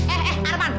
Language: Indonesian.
eh eh arman